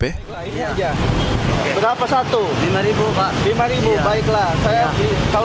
oh harus cinta rupiah lah